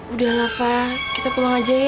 udah lah fah kita pulang aja ya